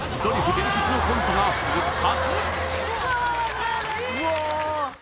伝説のコントが復活